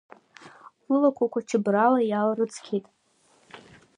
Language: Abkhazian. Лылақәақәа чабрала иаалрыцқьеит.